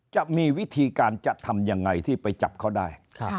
จะมีวิธีการจะทำยังไงที่ไปจับเขาได้